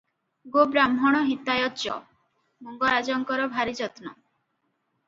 'ଗୋ ବ୍ରାହ୍ମଣ ହିତାୟ ଚ' ମଙ୍ଗରାଜଙ୍ଗର ଭାରି ଯତ୍ନ ।